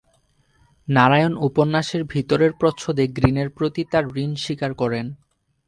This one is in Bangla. নারায়ণ উপন্যাসের ভিতরের প্রচ্ছদে গ্রিনের প্রতি তার ঋণ স্বীকার করেন।